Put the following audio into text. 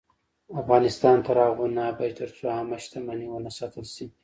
افغانستان تر هغو نه ابادیږي، ترڅو عامه شتمني وساتل نشي.